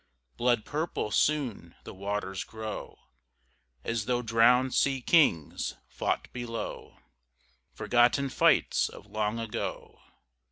Blood purple soon the waters grow, As though drowned sea kings fought below Forgotten fights of long ago.